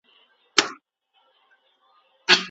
علمي مجله په غلطه توګه نه تشریح کیږي.